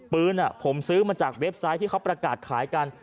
ปืนผมซื้อมาจากเว็บไซต์ที่เขาประกาศขายกัน